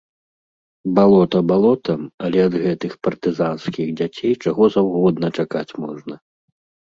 Балота балотам, але ад гэтых партызанскіх дзяцей чаго заўгодна чакаць можна!